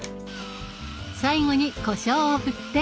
最後にこしょうを振って。